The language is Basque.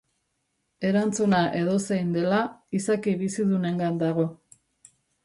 Erantzuna edozein dela, izaki bizidunengan dago.